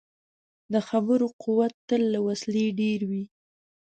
د خبرو قوت تل له وسلې ډېر وي.